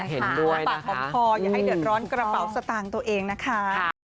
ปากหอมคออย่าให้เดือดร้อนกระเป๋าสตางค์ตัวเองนะคะ